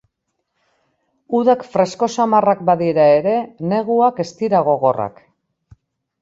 Udak fresko samarrak badira ere, neguak ez dira gogorrak.